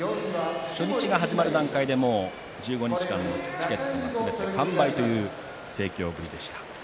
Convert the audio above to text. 初日が始まる段階でもう１５日間のチケットがすべて完売という盛況ぶりでした。